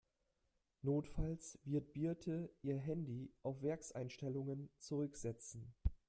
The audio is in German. Notfalls wird Birte ihr Handy auf Werkseinstellungen zurücksetzen.